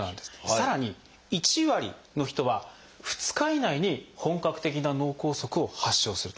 さらに１割の人は２日以内に本格的な脳梗塞を発症すると。